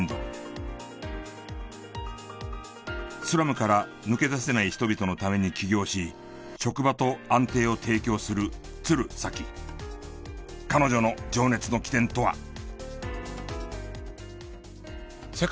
スラムから抜け出せない人々のために起業し職場と安定を提供する彼女の情熱の起点とは。